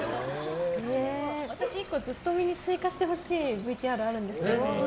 私、１個ずっとみに追加してほしいＶＴＲあるんですけど。